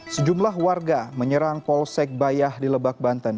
sejumlah warga menyerang polsek bayah di lebak banten